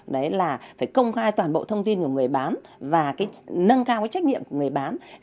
đấy là phải công khai toàn bộ thông tin của người bán và nâng cao cái trách nhiệm của người bán